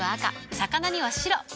魚には白。